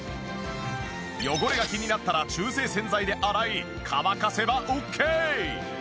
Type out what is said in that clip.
汚れが気になったら中性洗剤で洗い乾かせばオッケー！